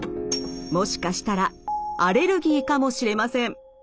もしかしたらアレルギーかもしれません。